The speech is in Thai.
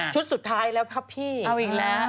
ชุดสุดท้ายแล้วเพราะพี่อ่ะหญิงแล้ว